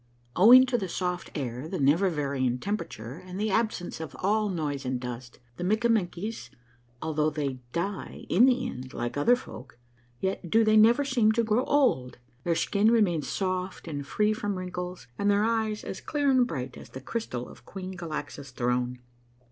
Owing to the soft air, the never varying temperature, and the absence of all noise and dust, the Mikkamenkies, although they die in the end like other folk, yet do they never seem to grow old. Their skin remains soft and free from wrinkles, and their eyes as clear and bright as the crystal of Queen Galaxa's throne.